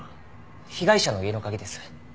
被害者の家の鍵です。